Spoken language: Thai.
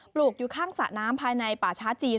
ลูกอยู่ข้างสระน้ำภายในป่าช้าจีน